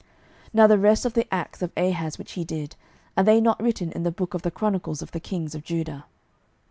12:016:019 Now the rest of the acts of Ahaz which he did, are they not written in the book of the chronicles of the kings of Judah?